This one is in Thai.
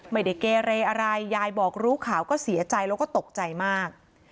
ไม่ได้เกเรอะไรยายบอกรู้ข่าวก็เสียใจแล้วก็ตกใจมาก